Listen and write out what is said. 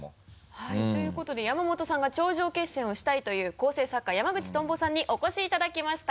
はいということで山本さんが頂上決戦をしたいという構成作家山口トンボさんにお越しいただきました。